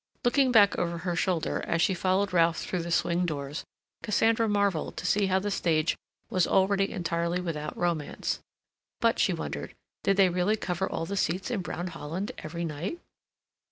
Looking back over her shoulder as she followed Ralph through the swing doors, Cassandra marveled to see how the stage was already entirely without romance. But, she wondered, did they really cover all the seats in brown holland every night?